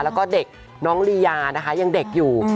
แล้วก็เด็กน้องลียานะคะยังเด็กอยู่